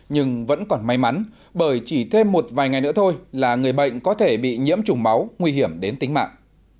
nhưng vẫn còn may mắn bởi chỉ thêm một vài ngày nữa thôi là người bệnh có thể bị nhiễm trùng máu nguy hiểm đến tính mạng